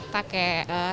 pakai kaca akrilik